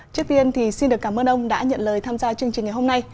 trước tiên thì xin được cảm ơn ông đã nhận lời tham gia chương trình ngày hôm nay